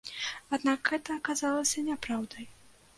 Аднак гэта аказалася няпраўдай.